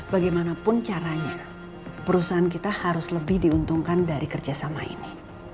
bagaimanapun caranya perusahaan kita harus lebih diuntungkan dari kerjasama ini